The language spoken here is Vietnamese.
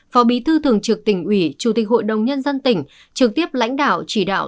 phó bí thư thường trực tỉnh ủy chủ tịch hội đồng nhân dân tỉnh trực tiếp lãnh đạo chỉ đạo